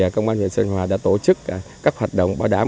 công an huyện sơn hòa đã tổ chức các hoạt động bảo đảm